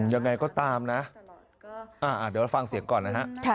ยังไงก็ตามนะเดี๋ยวเราฟังเสียงก่อนนะฮะ